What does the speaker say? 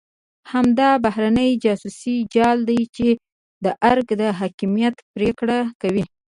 همدا بهرنی جاسوسي جال دی چې د ارګ د حاکمیت پرېکړه کوي.